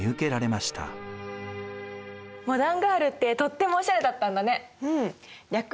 モダンガールってとってもおしゃれだったんだね。